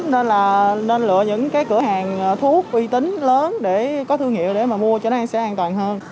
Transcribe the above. nên là nên lựa những cái cửa hàng thu hút uy tín lớn để có thương hiệu để mà mua cho nó sẽ an toàn hơn